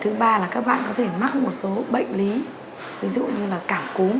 thứ ba là các bạn có thể mắc một số bệnh lý ví dụ như là cảm cúm